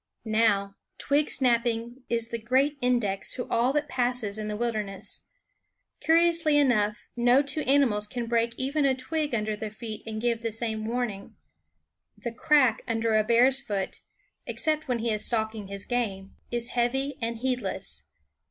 Now twig snapping is the great index to all that passes in the wilderness. Curiously enough, no two animals can break even a twig under their feet and give the same warning. The crack under a bear's foot, except when he is stalking his game, is heavy and heedless.